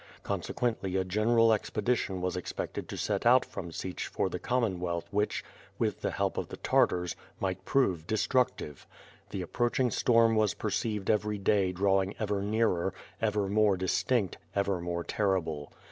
Consequently a general expedition was expected to set out from Sich for the Commonwealth which, with the help of the Tartars, might prove destructive. The approaching storm was perceived each day drawing ever nearer, ever more dis tinct, ever more terrible.